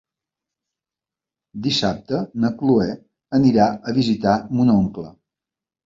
Dissabte na Cloè anirà a visitar mon oncle.